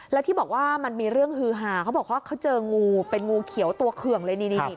แล้วที่บอกว่ามันมีเรื่องฮือหาเขาบอกว่าเขาเจองูเป็นงูเขียวตัวเคืองเลยนี่